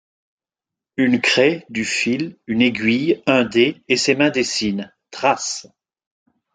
Une craie, du fil, une aiguille, un dé et ses mains dessinent, tracent.